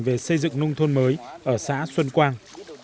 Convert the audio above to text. về xây dựng nông thôn mới ở xã xuân quang